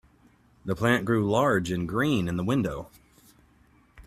The plant grew large and green in the window.